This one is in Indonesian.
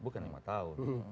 bukan lima tahun